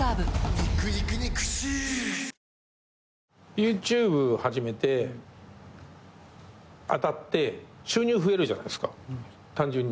ＹｏｕＴｕｂｅ始めて当たって収入増えるじゃないですか単純に。